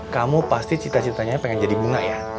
kamu pasti cita citanya pengen jadi bunga ya